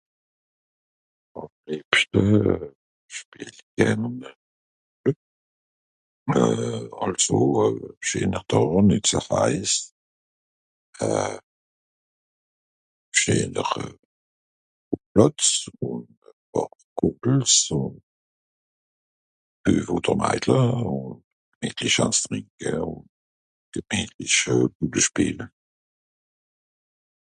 àm lebschte schpeel gern ... euh àlso scheener daa nìt so haiss euh scheener plàtz ùn pààr kugels ù beuv òder maidle ò hätlich àns trìnke ùn gemìtlich gute schpiele